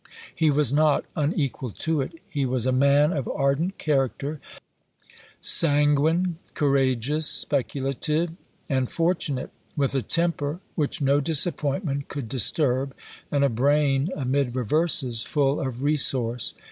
He was not unequal to it. He was a man of ardent character; sanguine, courageous, speculative, and fortunate; with a temper which no disappointment could disturb, and a brain, amid reverses, full of resource.